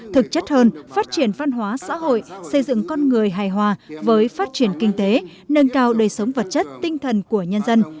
thực chất hơn phát triển văn hóa xã hội xây dựng con người hài hòa với phát triển kinh tế nâng cao đời sống vật chất tinh thần của nhân dân